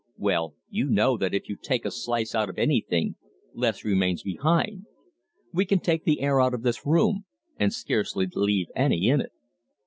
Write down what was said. Well, you know that if you take a slice out of anything, less remains behind. We can take the air out of this room, and scarcely leave any in it.